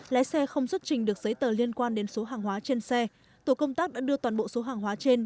lái xe không xuất trình được giấy tờ liên quan đến số hàng hóa trên xe tổ công tác đã đưa toàn bộ số hàng hóa trên